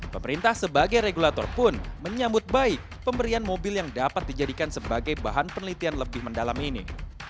pemerintah sebagai regulator pun menyambut baik pemberian mobil yang dapat dijadikan sebagai bahan penelitian lebih mendalam ini